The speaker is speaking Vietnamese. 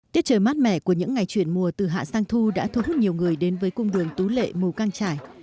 tiết trời mát mẻ của những ngày chuyển mùa từ hạ sang thu đã thu hút nhiều người đến với cung đường tú lệ mù căng trải